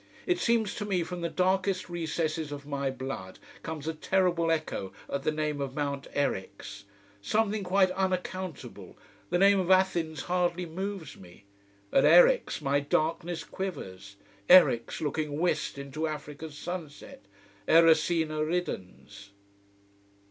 It seems to me from the darkest recesses of my blood comes a terrible echo at the name of Mount Eryx: something quite unaccountable. The name of Athens hardly moves me. At Eryx my darkness quivers. Eryx, looking west into Africa's sunset. _Erycina ridens.